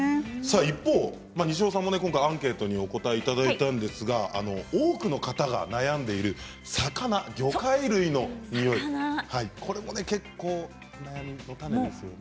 一方、西尾さんも今回アンケートにお答えいただいたんですが多くの方が悩んでいる魚魚介類のニオイこれも結構、悩みの種ですよね。